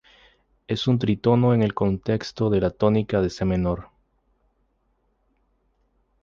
Es un tritono en el contexto de la tónica de c menor.